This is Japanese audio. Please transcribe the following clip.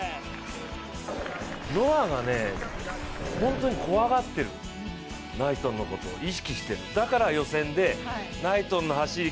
ノアがね、本当に怖がっている、ナイトンのことを意識している、だから予選でナイトンの走り